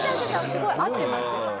すごい合ってます。